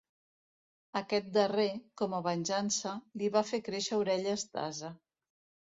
Aquest darrer, com a venjança, li va fer créixer orelles d'ase.